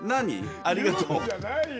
ありがとう。